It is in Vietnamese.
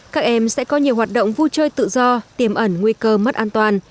các em sẽ có nhiều hoạt động vui chơi tự do tiềm ẩn nguy cơ mất an toàn